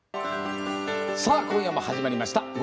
さあ今夜も始まりました。